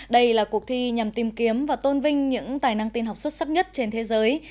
đây là cuộc thi nhằm tìm kiếm và tôn vinh những tài năng tin học xuất sắc nhất trên thế giới